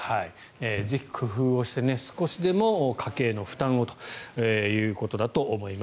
ぜひ工夫をして少しでも家計の負担をということだと思います。